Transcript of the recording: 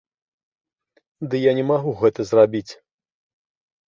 Ды я не магу гэта зрабіць.